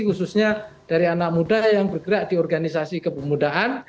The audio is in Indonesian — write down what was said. khususnya dari anak muda yang bergerak di organisasi kepemudaan